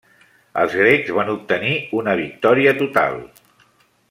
Els grecs van obtenir una victòria total.